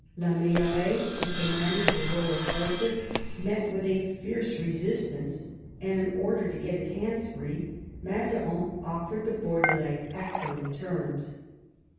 La Meilleraye, who commanded the royal forces, met with a fierce resistance, and in order to get his hands free Mazarin offered the Bordelais excellent terms.